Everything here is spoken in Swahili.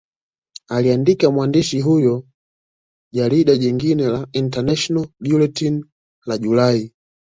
Aliandika mwandishi huyo Jarida jingine la International Bulletin la Julai